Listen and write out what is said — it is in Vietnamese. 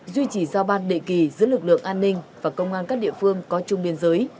duy trì giao ban đệ kỳ giữa lực lượng an ninh và công an các địa phương có chung biên giới